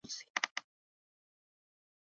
درېیم دا چې باید ځانګړي تدابیر ونیول شي.